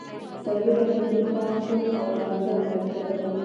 سربېره پر دې کارګر خوب او آرامتیا ته اړتیا لري